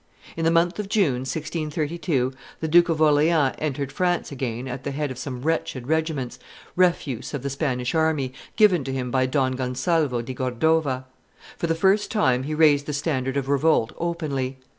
In the month of June, 1632, the Duke of Orleans entered France again at the head of some wretched regiments, refuse of the Spanish army, given to him by Don Gonzalvo di Cordova. For the first time, he raised the standard of revolt openly.